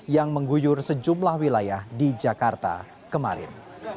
yang mengguyur sejumlah wilayah di jakarta kemarin